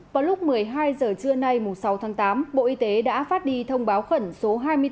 vào lúc một mươi hai h trưa nay sáu tháng tám bộ y tế đã phát đi thông báo khẩn số hai mươi bốn